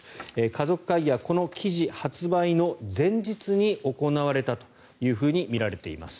家族会議はこの記事発売の前日に行われたというふうにみられています。